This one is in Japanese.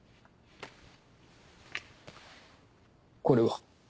これは？